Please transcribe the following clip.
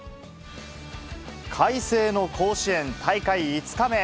快晴の甲子園、大会５日目。